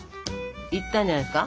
いったんじゃないですか？